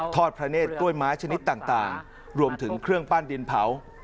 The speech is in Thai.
พระเนธกล้วยไม้ชนิดต่างรวมถึงเครื่องปั้นดินเผา